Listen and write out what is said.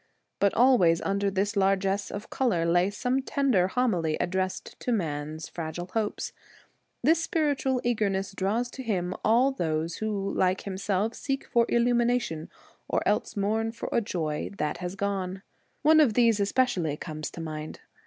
But always under this largess of colour lay some tender homily addressed to man's fragile hopes. This spiritual eagerness draws to him all those who, like himself, seek for illumination or else mourn for a joy that has gone. One of these especially comes to mind.